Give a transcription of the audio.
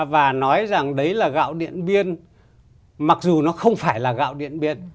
và nói rằng đấy là gạo điện biên mặc dù nó không phải là gạo điện biên